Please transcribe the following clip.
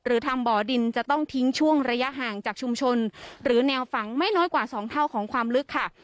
หรือทำบ่อดินจะต้องทิ้งช่วงระยะห่างจากชุมชนหรือแนวฝังไม่น้อยกว่า๒เท่าของความลึกค่ะ